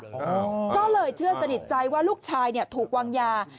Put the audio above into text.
ก็เลยเชื่อสนิทใจว่าลูกชายเนี่ยถูกวางยา